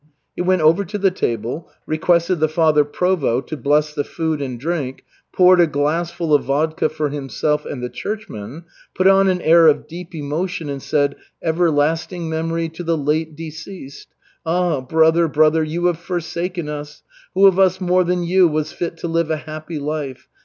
He went over to the table, requested the Father Provost to bless the food and drink, poured a glassful of vodka for himself and the churchmen, put on an air of deep emotion and said, "Everlasting memory to the late deceased! Ah, brother, brother, you have forsaken us! Who of us more than you was fit to live a happy life?